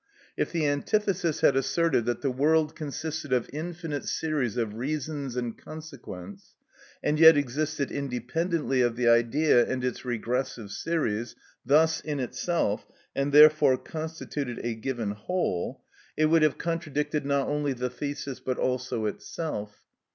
If the antithesis had asserted that the world consisted of infinite series of reasons and consequents, and yet existed independently of the idea and its regressive series, thus in itself, and therefore constituted a given whole, it would have contradicted not only the thesis but also itself.